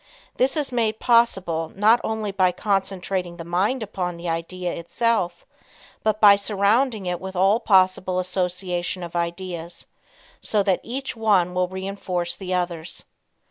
This is made possible, not only by concentrating the mind upon the idea itself, but by surrounding it with all possible association of ideas, so that each one will reinforce the others.